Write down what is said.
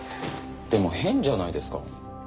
でも変じゃないですか？